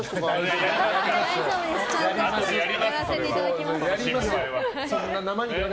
ちゃんとやらせていただきます。